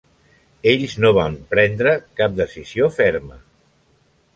Ells no van prendre cap decisió ferma.